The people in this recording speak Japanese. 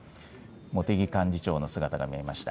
茂木幹事長の姿が見えました。